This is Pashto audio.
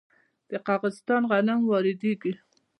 د قزاقستان غنم وارد کیږي.